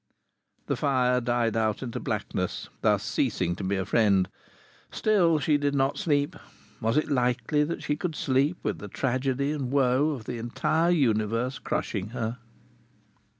The fire died out into blackness, thus ceasing to be a friend. Still she did not sleep. Was it likely that she should sleep, with the tragedy and woe of the entire universe crushing her?